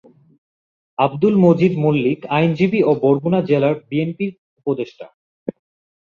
আবদুল মজিদ মল্লিক আইনজীবী ও বরগুনা জেলা বিএনপির উপদেষ্টা।